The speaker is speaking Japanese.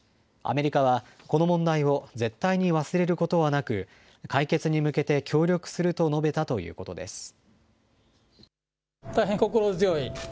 アメリカは、この問題を絶対に忘れることはなく、解決に向けて協力すると述べたということです。